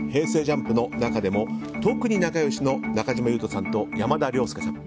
ＪＵＭＰの中でも特に仲良しの中島裕翔さんと山田涼介さん。